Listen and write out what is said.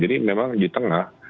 jadi memang di tengah